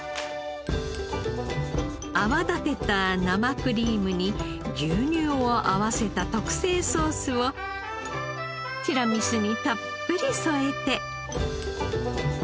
泡立てた生クリームに牛乳を合わせた特製ソースをティラミスにたっぷり添えて。